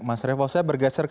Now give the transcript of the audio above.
mas revo saya bergeser